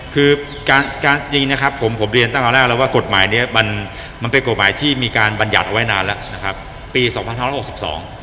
คือการการจริงนะครับผมผมเรียนตั้งแต่แรกแล้วว่ากฎหมายเนี้ยมันมันเป็นกฎหมายที่มีการบรรยัติเอาไว้นานแล้วนะครับปีสองพันห้าร้อยหกสิบสอง